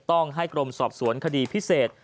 ต้องให้กรมสอบสวนคดีพิเศษ